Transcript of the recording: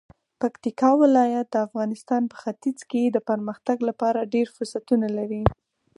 پکتیکا ولایت د افغانستان په ختیځ کې د پرمختګ لپاره ډیر فرصتونه لري.